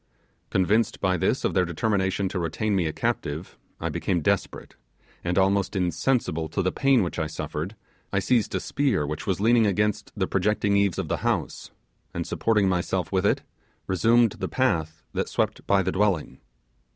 Convinced by this of their determination to retain me a captive, I became desperate; and almost insensible to the pain which I suffered, I seized a spear which was leaning against the projecting eaves of the house, and supporting myself with it, resumed the path that swept by the dwelling.